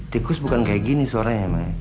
tikus bukan kayak gini suaranya ma